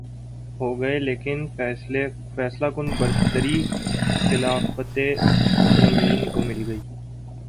ہوگئے لیکن فیصلہ کن برتری خلیفتہ المسلمین کو مل گئ